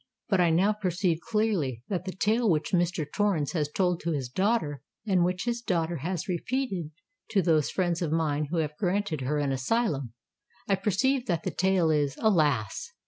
But I now perceive clearly that the tale which Mr. Torrens has told to his daughter, and which his daughter has repeated to those friends of mine who have granted her an asylum,—I perceive that this tale is, alas!